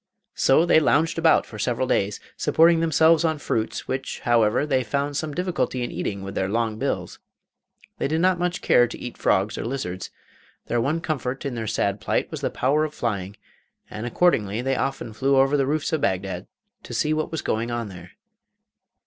So they lounged about for several days, supporting themselves on fruits, which, however, they found some difficulty in eating with their long bills. They did not much care to eat frogs or lizards. Their one comfort in their sad plight was the power of flying, and accordingly they often flew over the roofs of Bagdad to see what was going on there.